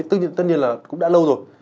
tất nhiên là cũng đã lâu rồi